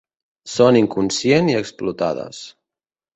Són inconscient i explotades.